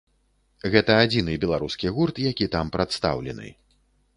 Гэта адзіны беларускі гурт, які там прадстаўлены.